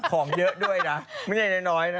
ของเยอะด้วยนะไม่ใช่น้อยนะ